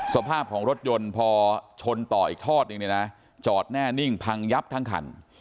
สภาพของรถยนต์พอชนต่ออีกทอดหนึ่งเนี่ยนะจอดแน่นิ่งพังยับทั้งคัน